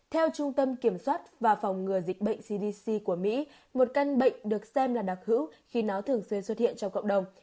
theo trung tâm kiểm soát và phòng ngừa dịch bệnh cdc của mỹ một căn bệnh được xem là đặc hữu khi nó thường xuyên xuất hiện trong cộng đồng